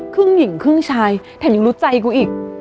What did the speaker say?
ผู้หญิงครึ่งชายแถมยังรู้ใจกูอีก